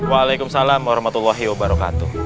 waalaikumsalam warahmatullahi wabarakatuh